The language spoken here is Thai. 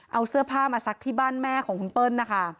เอาเสื้อผ้ามาซักที่บ้านแม่ของคุณเปิ้ลนะคะ